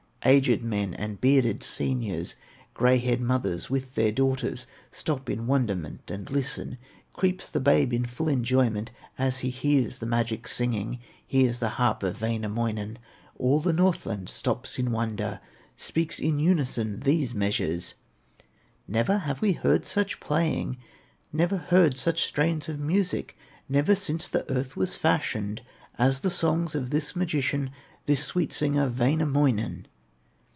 Aged men and bearded seniors, Gray haired mothers with their daughters Stop in wonderment and listen. Creeps the babe in full enjoyment As he hears the magic singing, Hears the harp of Wainamoinen. All of Northland stops in wonder, Speaks in unison these measures: "Never have we heard such playing, Never heard such strains of music, Never since the earth was fashioned, As the songs of this magician, This sweet singer, Wainamoinen!"